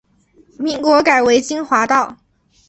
民国改为金华道。